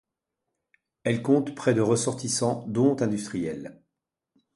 Elle compte près de ressortissants, dont industriels.